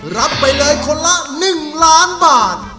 รับไปเลยคนละหนึ่งล้านบาท